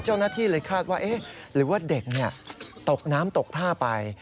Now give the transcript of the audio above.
เจ้าหน้าที่เลยคาดว่าหรือว่าเด็กตกน้ำตกท่าไป